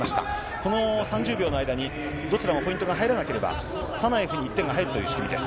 この３０秒の間に、どちらもポイントが入らなければ、サナエフに１点が入るという仕組みです。